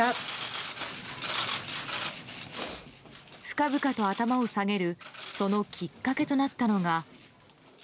深々と頭を下げるそのきっかけとなったのが。